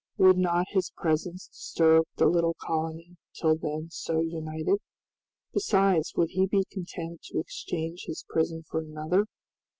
Would not his presence disturb the little colony till then so united? Besides, would he be content to exchange his prison for another?